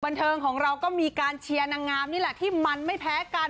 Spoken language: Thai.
บันเทิงของเราก็มีการเชียร์นางงามนี่แหละที่มันไม่แพ้กัน